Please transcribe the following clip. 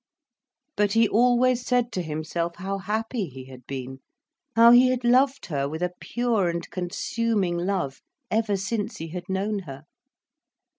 But he always said to himself, how happy he had been, how he had loved her with a pure and consuming love ever since he had known her.